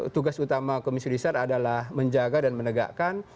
tugas utama komisi judisial adalah menjaga dan menegakkan